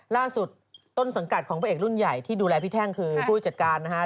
ล่าสุดต้นสังกัดของพระเอกรุ่นใหญ่ที่ดูแลพี่แท่งคือผู้จัดการนะฮะ